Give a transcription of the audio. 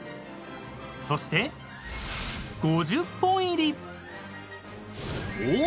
［そして５０本入り！］